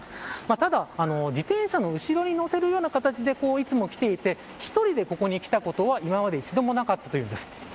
ただ自転車の後ろに乗せるような形でいつも来ていて１人でここにきたことは今まで一度もなかったというんです。